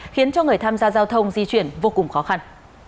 khiến cho người tham gia giao thông di chuyển vô cùng khó khăn